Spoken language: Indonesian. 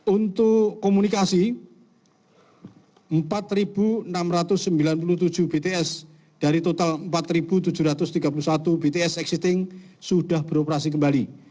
untuk komunikasi empat enam ratus sembilan puluh tujuh bts dari total empat tujuh ratus tiga puluh satu bts existing sudah beroperasi kembali